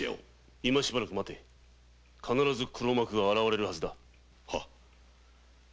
今しばらく待ってくれ必ず黒幕が現れるハズだ。